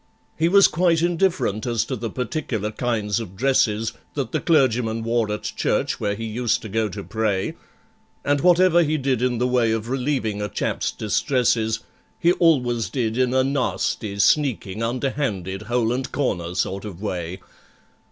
He was quite indifferent as to the particular kinds of dresses That the clergyman wore at church where he used to go to pray, And whatever he did in the way of relieving a chap's distresses, He always did in a nasty, sneaking, underhanded, hole and corner sort of way.